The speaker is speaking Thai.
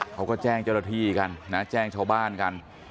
เขาก็แจ้งเจ้าหน้าที่กันนะแจ้งชาวบ้านกัน